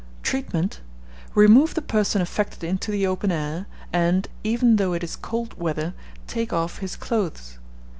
Treatment. Remove the person affected into the open air, and, even though it is cold weather, take off his clothes.